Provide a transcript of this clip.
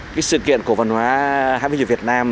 cái sự kiện cổ phần hóa hãng phim chuyển việt nam